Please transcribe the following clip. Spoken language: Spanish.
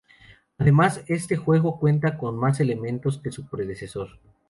Además, este juego cuenta con más elementos que su predecesor.